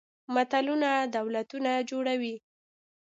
ملتونه دولتونه جوړوي.